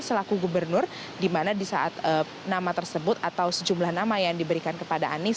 selaku gubernur di mana di saat nama tersebut atau sejumlah nama yang diberikan kepada anies